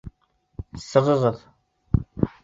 Сығығыҙ!